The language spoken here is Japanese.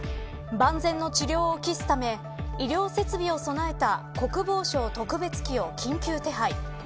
万全の治療を期すため医療設備を備えた国防省特別機を緊急手配。